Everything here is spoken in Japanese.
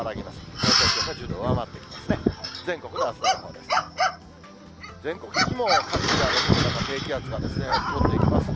最高気温が１０度上回ってきますね。